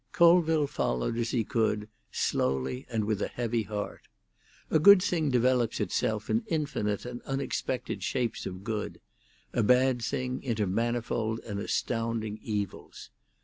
Colville followed as he could, slowly and with a heavy heart. A good thing develops itself in infinite and unexpected shapes of good; a bad thing into manifold and astounding evils.